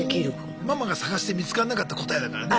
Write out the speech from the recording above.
ママが探して見つかんなかった答えだからね。